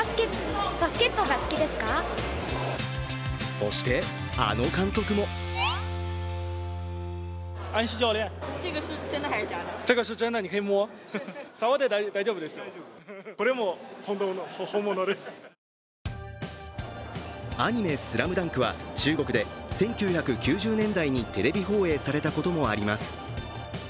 そして、あの監督もアニメ「ＳＬＡＭＤＵＮＫ」は中国で１９９０年代にテレビ放映されたこともあります。